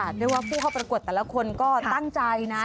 เรียกว่าผู้เข้าประกวดแต่ละคนก็ตั้งใจนะ